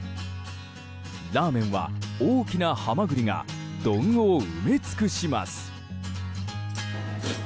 ラーメンは大きなハマグリが丼を埋め尽くします。